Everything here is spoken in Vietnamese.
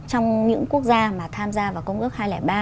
trong những quốc gia mà tham gia vào công ước hai trăm linh ba